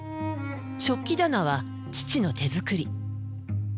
食器棚は父の手作り。